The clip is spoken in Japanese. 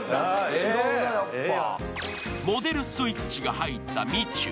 モデルスイッチが入ったみちゅ。